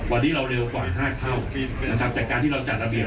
วันนี้เราเร็วปล่อยห้าเท่านะครับแต่การที่เราจัดระเบียบ